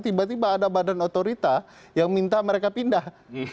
tiba tiba ada badan otorita yang minta mereka pindah